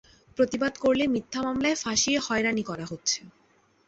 প্রতিবাদ করলে মিথ্যা মামলায় ফাঁসিয়ে হয়রানি করা হচ্ছে।